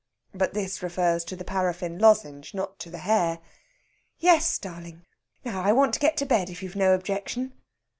But this refers to the paraffin lozenge, not to the hair. "Yes, darling. Now I want to get to bed, if you've no objection."